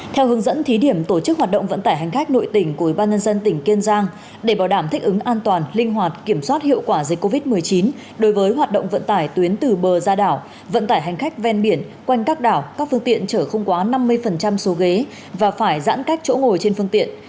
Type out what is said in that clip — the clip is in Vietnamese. theo hướng dẫn thí điểm tổ chức hoạt động vận tải hành khách nội tỉnh của ủy ban nhân dân tỉnh kiên giang để bảo đảm thích ứng an toàn linh hoạt kiểm soát hiệu quả dịch covid một mươi chín đối với hoạt động vận tải tuyến từ bờ ra đảo vận tải hành khách ven biển quanh các đảo các phương tiện chở không quá năm mươi số ghế và phải giãn cách chỗ ngồi trên phương tiện